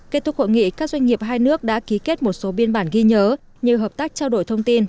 kết thúc hội nghị các doanh nghiệp hai nước đã ký kết một số biên bản ghi nhớ như hợp tác trao đổi thông tin